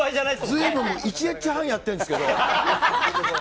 ずいぶん、１日半やってるんですけど。